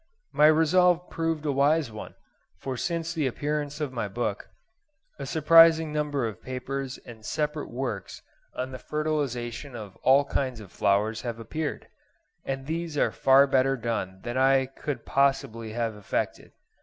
My resolve proved a wise one; for since the appearance of my book, a surprising number of papers and separate works on the fertilisation of all kinds of flowers have appeared: and these are far better done than I could possibly have effected.